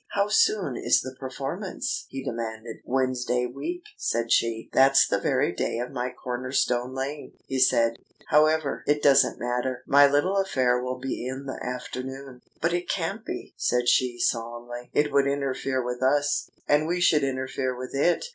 "How soon is the performance?" he demanded. "Wednesday week," said she. "That's the very day of my corner stone laying," he said. "However, it doesn't matter. My little affair will be in the afternoon." "But it can't be," said she solemnly. "It would interfere with us, and we should interfere with it.